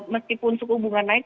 meskipun suku hubungan naik